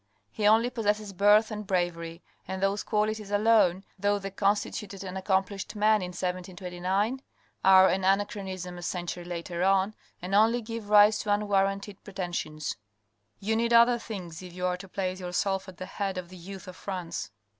He only possesses birth and bravery, and those qualities alone, though they constituted an accomplished man in 1729, are an anachronism a century later on, and only give rise to unwarranted pretensions. You need other things if you are to place yourself at the head of the youth of France."